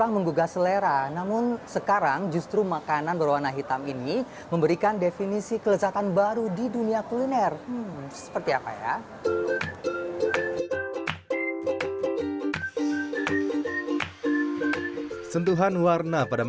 makanan berwarna hitam